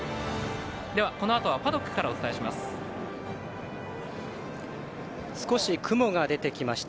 このあとはパドックからお伝えします。